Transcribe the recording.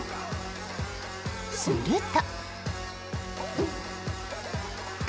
すると。